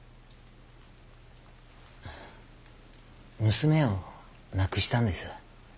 娘を亡くしたんです。